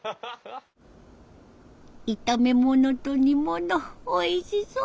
炒め物と煮物おいしそう！